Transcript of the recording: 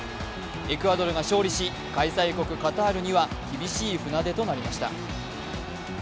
エクアドルが勝利し開催国・カタールには厳しい船出となりました。